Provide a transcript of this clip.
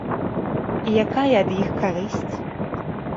І якая ад іх карысць?